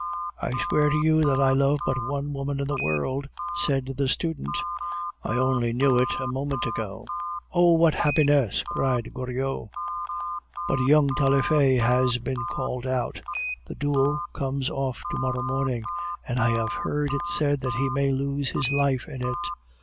"I swear to you that I love but one woman in the world," said the student. "I only knew it a moment ago." "Oh! what happiness!" cried Goriot. "But young Taillefer has been called out; the duel comes off to morrow morning, and I have heard it said that he may lose his life in it."